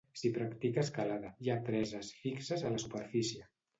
S'hi practica escalada: hi ha preses fixes a la superfície.